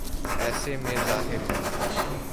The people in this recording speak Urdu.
ایسے میں ظاہر ہے۔